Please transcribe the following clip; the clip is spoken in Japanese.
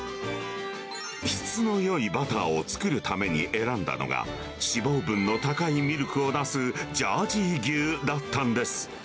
質のよいバターを作るために選んだのが、脂肪分の高いミルクを出すジャージー牛だったんです。